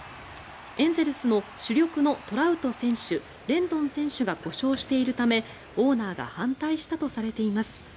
エンゼルスの主力のトラウト選手レンドン選手が故障しているためオーナーが反対したとされています。